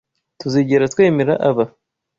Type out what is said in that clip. tuzigera twemera aba.